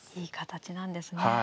いい形なんですね。